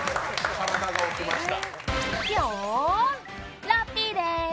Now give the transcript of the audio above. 体が起きました。